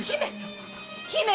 姫！